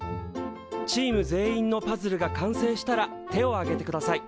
チーム全員のパズルが完成したら手を挙げてください。